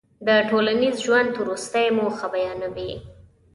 د ټولنیز ژوند وروستۍ موخه بیانوي.